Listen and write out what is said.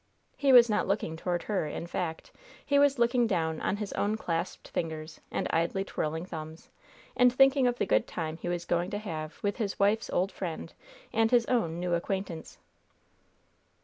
He was not looking toward her, in fact, he was looking down on his own clasped fingers and idly twirling thumbs, and thinking of the good time he was going to have with his wife's old friend and his own new acquaintance.